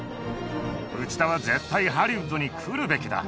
内田は絶対ハリウッドに来るべきだ。